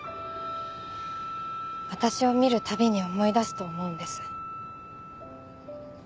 私を見るたびに思い出すと思うんです。